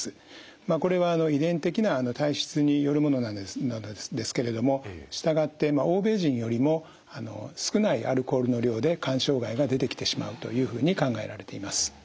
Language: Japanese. まあこれは遺伝的な体質によるものなんですけれども従って欧米人よりも少ないアルコールの量で肝障害が出てきてしまうというふうに考えられています。